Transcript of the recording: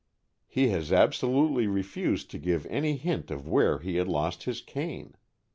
"He has absolutely refused to give any hint of where he had lost his cane.